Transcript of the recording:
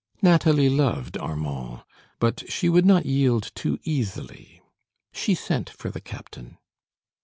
Nathalie loved Armand; but she would not yield too easily. She sent for the captain.